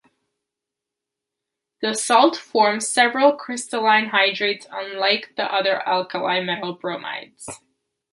The salt forms several crystalline hydrates, unlike the other alkali metal bromides.